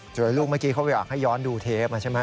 โดยลูกเมื่อกี้เขาอยากให้ย้อนดูเทปนะใช่มั้ย